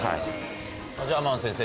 ジャーマン先生